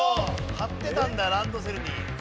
張ってたんだランドセルに。